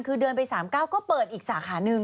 คือเดินไปสามก้าวก็เปิดอีกสาขานึง